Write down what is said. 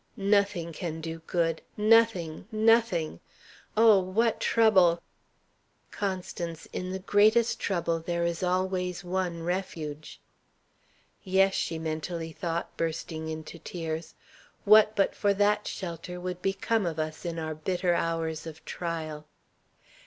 "Nothing can do good: nothing, nothing. Oh, what trouble!" "Constance, in the greatest trouble there is always one Refuge." "Yes," she mentally thought, bursting into tears. "What, but for that shelter, would become of us in our bitter hours of trial?"